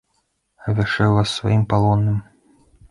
Абвяшчаю вас сваім палонным!